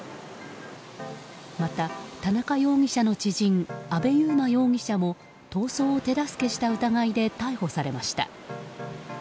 また、田中容疑者の知人阿部悠真容疑者も逃走を手助けした疑いで逮捕されました。